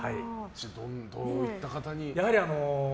どういった方に？